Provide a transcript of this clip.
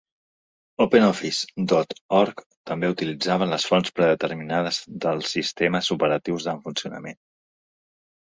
OpenOffice dot org també utilitzava les fonts predeterminades del sistemes operatius en funcionament.